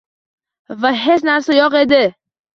Va hech narsa yo'q edi.